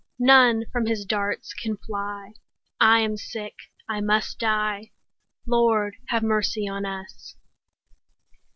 None from his darts can fly; 5 I am sick, I must die— Lord, have mercy on us!